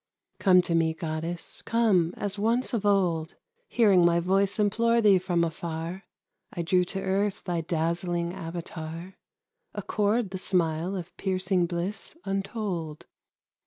Come to me, Goddess, come as once of old, Hearing my voice implore thee from afar, I drew to earth thy dazzling avatar; Accord the smile of piercing bliss untold.